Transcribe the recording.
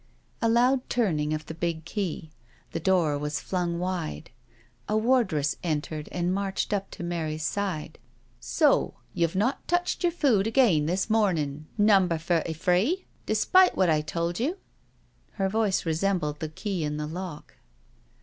••.*' A loud turning of the big key — the door was flung wide. A wardress entered and marched up to Mary's side: "Sol You've not touched your food again this mornin', Number Thirty three— spite of what I told you?'* Her voice resembled the key in the lock.